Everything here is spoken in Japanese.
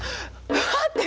待って！